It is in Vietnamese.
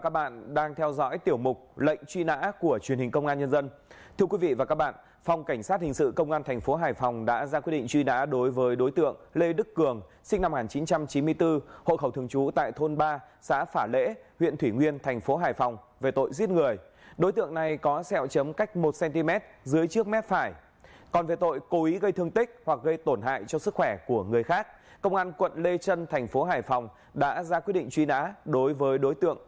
các bạn đang theo dõi tiểu mục lệnh truy nã của truyền hình công an nhân dân thưa quý vị và các bạn phòng cảnh sát hình sự công an thành phố hải phòng đã ra quyết định truy nã đối với đối tượng lê đức cường sinh năm một nghìn chín trăm chín mươi bốn hội khẩu thường trú tại thôn ba xã phả lễ huyện thủy nguyên thành phố hải phòng về tội giết người đối tượng này có xeo chấm cách một cm dưới trước mép phải còn về tội cố ý gây thương tích hoặc gây tổn hại cho sức khỏe của người khác công an quận lê trân thành phố hải phòng đã ra quyết định truy nã đối với đối tượng